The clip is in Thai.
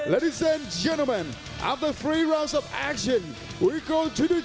ทุกคนค่ะหลังจาก๓รอบของการต่อไปเราจะไปกับการต่อไป